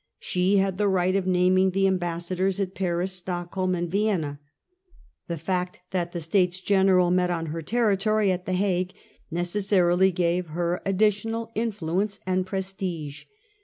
She had the right of naming the ambassadors at Paris, Stockholm, and Vienna. The fact that the States General met on her territory — at the Hague— necessarily gave her additional influence and prestige.